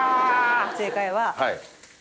正解は。